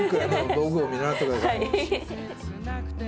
僕を見習って下さい。